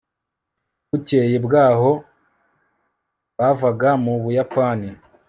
bukeye bwaho, bavaga mu buyapani